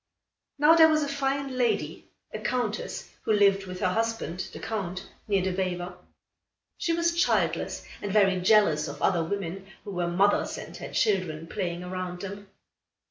Now there was a fine lady, a Countess, who lived with her husband, the Count, near the Vijver. She was childless and very jealous of other women who were mothers and had children playing around them.